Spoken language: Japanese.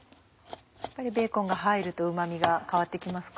やっぱりベーコンが入るとうま味が変わって来ますか？